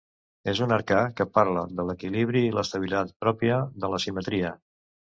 És un arcà que parla de l'equilibri i l'estabilitat pròpia de la simetria.